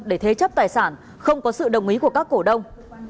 để thế chấp tài sản không có sự đồng ý của các cổ đông